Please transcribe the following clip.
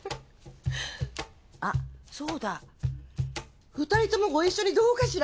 あっそうだ２人ともご一緒にどうかしら？